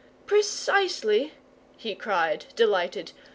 "Precisely," he cried, delighted.